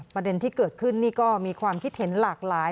ประเด็นที่เกิดขึ้นนี่ก็มีความคิดเห็นหลากหลาย